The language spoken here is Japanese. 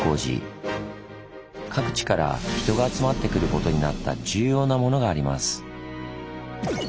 各地から人が集まってくることになった重要なものがあります。